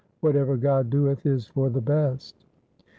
Whatever God doeth is for the best.'